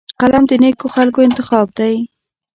قلم د نیکو خلکو انتخاب دی